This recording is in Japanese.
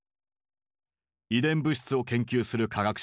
遺伝物質を研究する科学者